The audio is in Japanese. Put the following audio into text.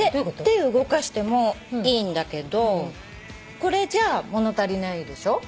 手動かしてもいいんだけどこれじゃ物足りないでしょ？